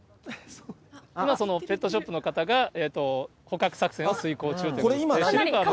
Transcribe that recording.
今、そのペットショップの方が捕獲作戦を遂行中ということでして。